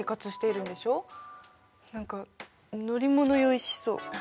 何か乗り物酔いしそう。